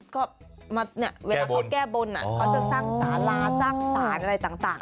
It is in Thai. ก็เวลาเขาแก้บนเขาจะสร้างสาราสร้างสารอะไรต่าง